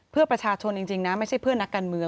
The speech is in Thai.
เพื่อประชาชนจริงนะไม่ใช่เพื่อนนักการเมือง